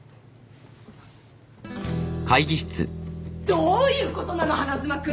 どういうことなの花妻君！